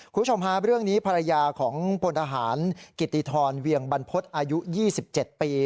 คุณผู้ชมฮะเรื่องนี้ภรรยาของพลทหารกิติธรเวียงบรรพฤษอายุ๒๗ปี